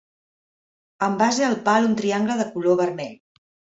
Amb base al pal un triangle de color vermell.